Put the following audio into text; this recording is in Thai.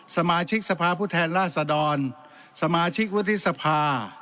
สมาชิกสภาพผู้แทนราชดรสมาชิกวุฒิสภา